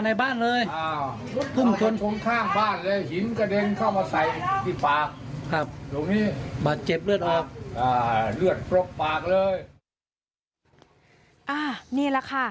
นี่แหละค่ะ